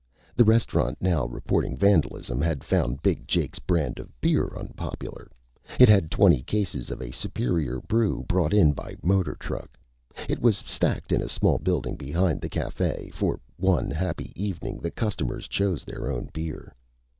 The restaurant now reporting vandalism had found big Jake's brand of beer unpopular. It had twenty cases of a superior brew brought in by motor truck. It was stacked in a small building behind the café. For one happy evening, the customers chose their own beer.